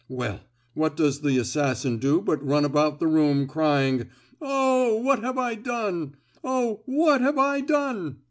Well, what does the assassin do but run about the room crying. 'Oh! what have I done? Oh! what have I done?